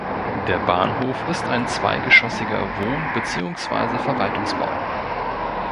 Der Bahnhof ist ein zweigeschossiger Wohn- beziehungsweise Verwaltungsbau.